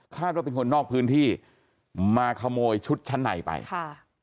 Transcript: ว่าเป็นคนนอกพื้นที่มาขโมยชุดชั้นในไปค่ะ